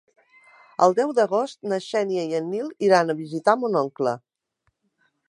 El deu d'agost na Xènia i en Nil iran a visitar mon oncle.